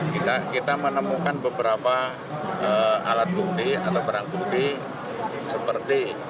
kita menemukan beberapa alat bukti atau barang bukti seperti